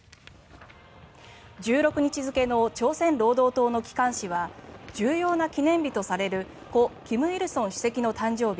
１６日付の朝鮮労働党の機関紙は重要な記念日とされる故・金日成主席の誕生日